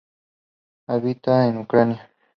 Habita en Ucrania.